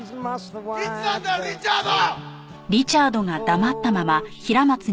いつなんだよリチャード！